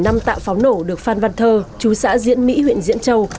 đây là gần một năm tạ pháo nổ được phan văn thơ chú xã diễn mỹ huyện diễn châu